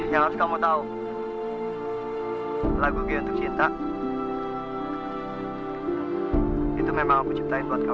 yang harus kamu tahu lagu gue untuk cinta itu memang aku cintai buat kamu